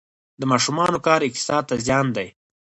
د ماشومانو کار اقتصاد ته زیان دی؟